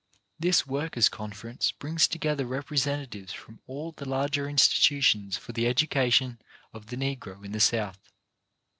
This Workers' Conference brings together repre sentatives from all the larger institutions for the education of the Negro in the South.